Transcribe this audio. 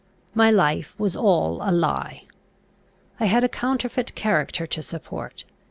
My life was all a lie. I had a counterfeit character to support.